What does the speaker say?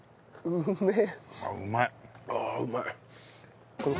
うめえ！